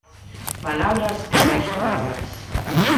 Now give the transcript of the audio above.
Palabras e máis palabras.